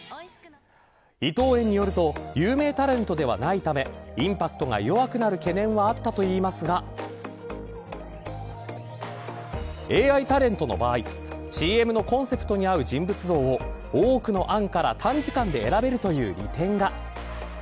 伊藤園によると有名タレントではないためインパクトが弱くなる懸念はあったといいますがＡＩタレントの場合ＣＭのコンセプトに合う人物像を多くの案から短時間で選べるという利点が。